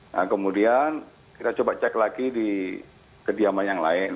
nah kemudian kita coba cek lagi di kediaman yang lain